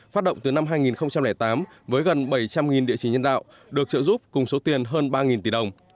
phát động từ năm hai nghìn tám với gần bảy trăm linh địa chỉ nhân đạo được trợ giúp cùng số tiền hơn ba tỷ đồng